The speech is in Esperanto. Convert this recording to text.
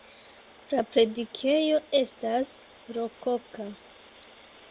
La predikejo estas rokoka.